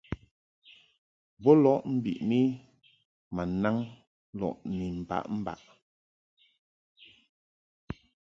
Bo lɔʼ mbiʼni ma naŋ lɔʼ ni mbaʼmbaʼ.